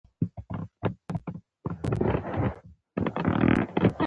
هوټلونه د میلمنو لپاره ریزرف شوي وو.